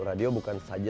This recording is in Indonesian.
radio bukan saja sebagainya